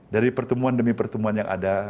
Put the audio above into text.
dari pertemuan demi pertemuan yang ada